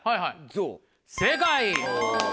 正解！